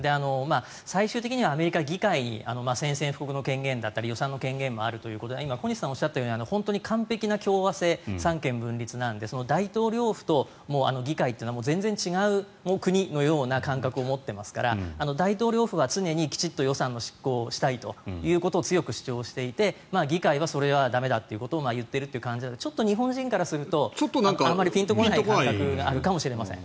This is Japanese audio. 最終的にはアメリカは議会に宣戦布告の権限だったり予算の権限もあるということで小西さんがおっしゃったように本当に完璧な共和制三権分立なので大統領府と議会は全然違う国のような感覚を持っていますから大統領府は常にきちんと予算の執行をしたいと強く主張していて議会はそれは駄目だということを言っているという感じなので日本人からするとあまりピンとこない感覚があるかもしれません。